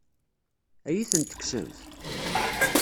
Ad iyi-ten-tekksemt?